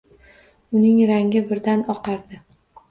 Uning rangi birdan oqardi.